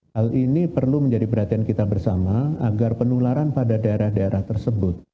hal ini perlu menjadi perhatian kita bersama agar penularan pada daerah daerah tersebut